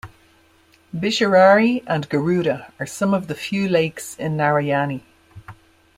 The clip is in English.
Bisharari and Garuda are some of the few lakes in Narayani.